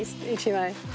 １枚。